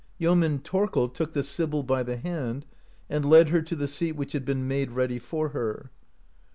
Yeoman Thorkel took the sibyl by the hand, and led her to the seat which had been made ready for her.